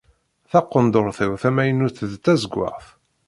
Taqenduṛt-iw tamaynut d tazewwaɣt.